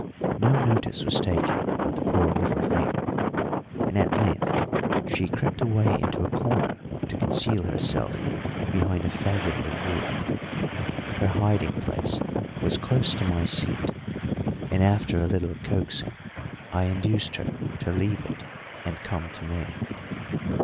No notice was taken of the poor little thing, and at length she crept away into a corner to conceal herself behind a faggot of wood. Her hiding place was close to my seat, and after a little coaxing I induced her to leave it and come to me.